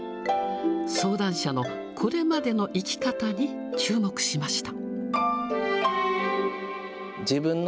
相談者のこれまでの生き方に注目しました。